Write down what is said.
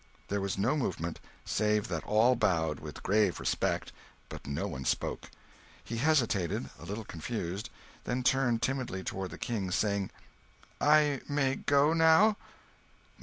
There was no movement, save that all bowed with grave respect; but no one spoke. He hesitated, a little confused, then turned timidly toward the King, saying, "I may go now?"